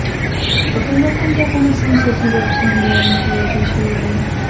فکر نه کوم د افغانستان سیاسي واک کونډه متوجه شوې وي.